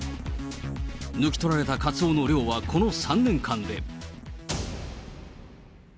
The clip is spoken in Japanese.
抜き取られたカツオの量は、この３年間で。